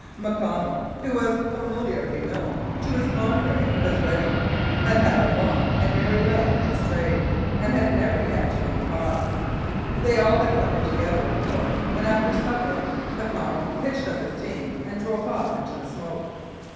McConnell, who was familiarly known to his con freres as "Reddy," had had a long and merry life at his trade, and had never yet been caught. They all had supper together, of course, and after supper McConnell hitched up his team and drove off into the smoke.